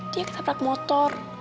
dia ketabrak motor